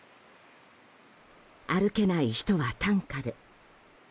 歩けない人は担架で。